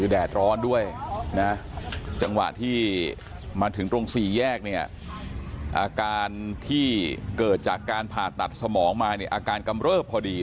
แดดร้อนด้วยนะจังหวะที่มาถึงตรงสี่แยกเนี่ยอาการที่เกิดจากการผ่าตัดสมองมาเนี่ยอาการกำเริบพอดี